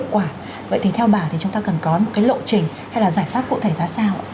quả vậy thì theo bà thì chúng ta cần có cái lộ trình hay là giải pháp cụ thể ra sao